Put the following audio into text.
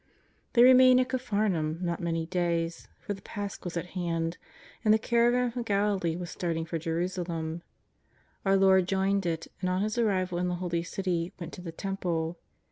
They remained at Capharnaum not many days, for the Pasch was at hand, and the caravan from Galilee was starting for Jerusalem. Our Lord joined it, and on His arrival in the Holy City went to the Temple.